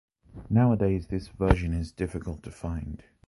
Nowadays, this version is difficult to find.